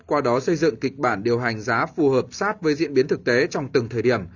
qua đó xây dựng kịch bản điều hành giá phù hợp sát với diễn biến thực tế trong từng thời điểm